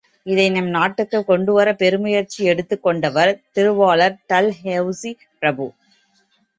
இதை நம் நாட்டுக்குக் கொண்டுவரப் பெருமுயற்சி எடுத்துக்கொண்டவர் திருவாளர் டல்ஹௌசி பிரபு.